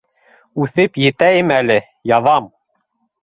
Үҫеп етәйем әле, яҙам...